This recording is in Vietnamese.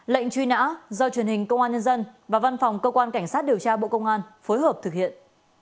lệnh truy nã do truyền hình công an nhân dân và văn phòng cơ quan cảnh sát điều tra bộ công an phối hợp thực hiện